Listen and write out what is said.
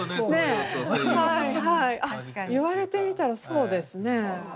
あっ言われてみたらそうですねえ。